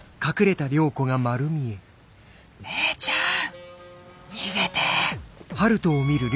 姉ちゃん逃げて！